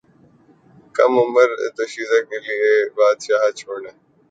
کم عمر دوشیزہ کیلئے بادشاہت چھوڑنے والے بادشاہ نے حسینہ کو طلاق دیدی